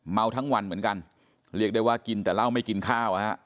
ทั้งวันเหมือนกันเรียกได้ว่ากินแต่เหล้าไม่กินข้าวฮะ